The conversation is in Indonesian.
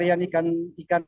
tanya madaika rimun pak